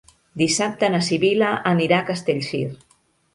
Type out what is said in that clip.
Dissabte na Sibil·la anirà a Castellcir.